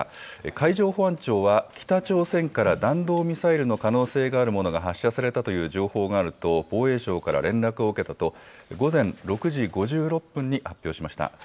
海上保安庁は、北朝鮮から弾道ミサイルの可能性があるものが発射されたという情報があると防衛省から連絡を受けたと午前６時５６分に発表しました。